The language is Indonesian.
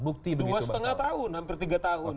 bukti begitu dua setengah tahun hampir tiga tahun